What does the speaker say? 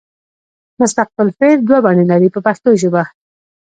مستقبل فعل دوه بڼې لري په پښتو ژبه.